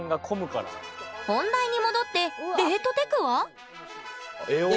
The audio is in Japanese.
本題に戻ってデートテクは？